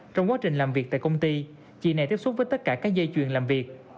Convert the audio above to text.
trong quá trình làm việc tại công ty chị này tiếp xúc với tất cả các dây chuyền làm việc